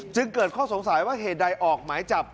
จึงเกิดข้อสงสัยว่าเหตุใดออกหมายจับ